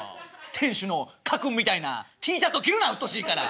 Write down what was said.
店主の家訓みたいなＴシャツを着るなうっとうしいから。